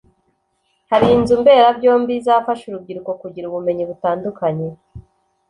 Hari n’inzu mberabyombi izafasha urubyiruko kugira ubumenyi butandukanye